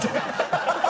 ハハハハ！